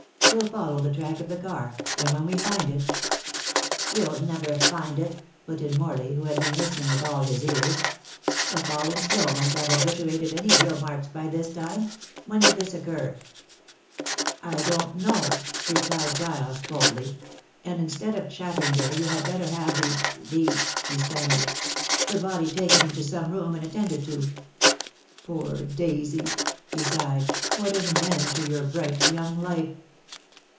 We'll follow the track of the car, and when we find it " "You'll never find it," put in Morley, who had been listening with all his ears. "The falling snow must have obliterated any wheel marks by this time. When did this occur?" "I don't know," replied Giles coldly. "And instead of chattering there, you had better have the the " he stammered, "the body taken into some room and attended to. Poor Daisy," he sighed, "what an end to your bright young life!"